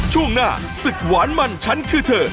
ช่วงหน้าศึกหวานมันฉันคือเธอ